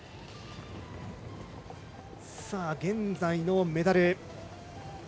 現在のメダル。